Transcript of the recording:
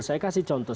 saya kasih contoh